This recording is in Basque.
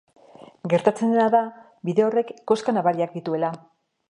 Gertatzen dena da bide horrek koska nabariak dituela.